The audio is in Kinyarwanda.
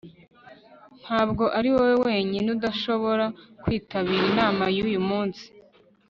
ntabwo ari wowe wenyine udashobora kwitabira inama yuyu munsi